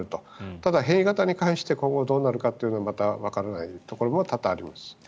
ただ、変異型に関して今後どうなるのかまだわからないところも多々あります。